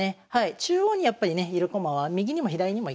中央にやっぱりねいる駒は右にも左にも行けるんで。